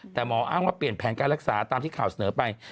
แต่หมออ้างว่าเปลี่ยนแผนการรักษาตามที่ข่าวเสนอไป